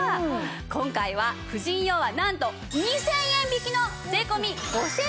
今回は婦人用はなんと２０００円引きの税込５９８０円。